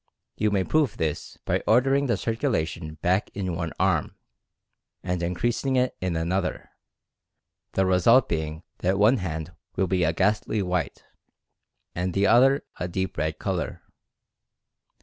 You may prove this by ordering the circulation back in one arm, and increasing it in another, the re sult being that one hand will be a ghastly white, and the other a deep red color.